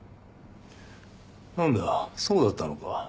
何だそうだったのか。